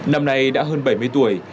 năm nay đã hơn bảy mươi tuổi